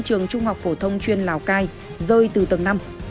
trường trung học phổ thông chuyên lào cai rơi từ tầng năm